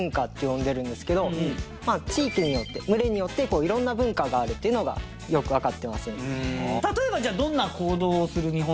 まあ地域によって群れによっていろんな文化があるというのがよく分かってますそうですね